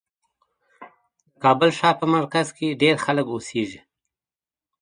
د کابل ښار په مرکز کې ډېر خلک اوسېږي.